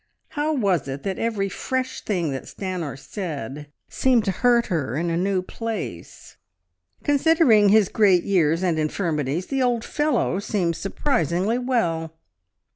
How was it that every fresh thing that Stanor said seemed to hurt her in a new place? "Considering his great years and infirmities, the old fellow seems surprisingly well."